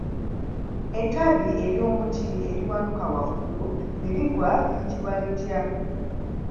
Ettabi ly'omuti eriwanuka waggulu ne ligwa liyitibwa litya?